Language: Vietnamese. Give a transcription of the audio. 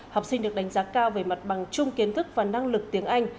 học sinh được đánh giá cao về mặt bằng chung kiến thức và năng lực tiếng anh